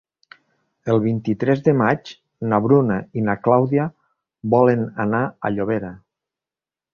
El vint-i-tres de maig na Bruna i na Clàudia volen anar a Llobera.